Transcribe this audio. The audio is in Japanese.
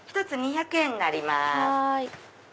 １つ２００円になります。